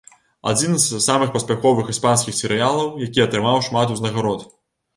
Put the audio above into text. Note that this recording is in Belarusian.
Адзін з самых паспяховых іспанскіх серыялаў, які атрымаў шмат узнагарод.